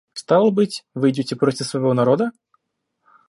Стало быть, вы идете против своего народа?